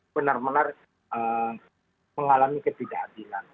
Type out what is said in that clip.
benar benar mengalami ketidakadilan